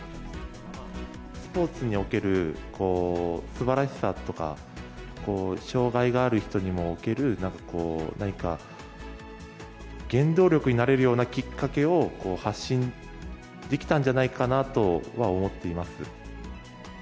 スポーツにおける、すばらしさとか、障がいがある人にもおける何か原動力になれるようなきっかけを発信できたんじゃないかなとは思っています。